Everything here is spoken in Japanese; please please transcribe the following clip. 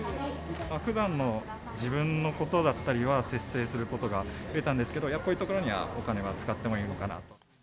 ふだんの自分のことだったりは節制することが増えたんですけど、こういうところにはお金は使ってもいいのかなと。